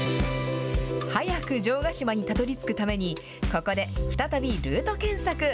早く城ヶ島にたどりつくために、ここで再びルート検索。